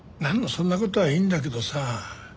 そんな事はいいんだけどさ。